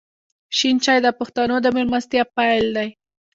شین چای د پښتنو د میلمستیا پیل دی.